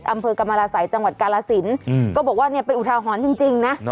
อำเภอกรรมราศัยจังหวัดกาลสินก็บอกว่าเนี่ยเป็นอุทาหรณ์จริงนะ